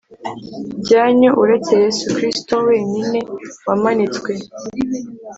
byanyu uretse Yesu Kristoh wenyine wamanitswe